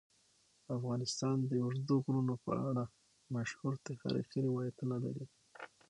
افغانستان د اوږده غرونه په اړه مشهور تاریخی روایتونه لري.